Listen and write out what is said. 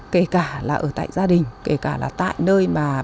kể cả là ở tại gia đình kể cả là tại nơi mà bà con đang